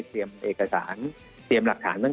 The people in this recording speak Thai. เตรียมเอกสารเตรียมหลักฐาน